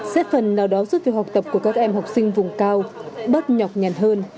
xét phần nào đó giúp việc học tập của các em học sinh vùng cao bớt nhọc nhàn hơn